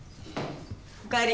おかえり。